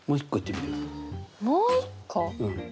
もう一個？